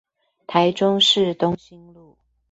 台中市東興路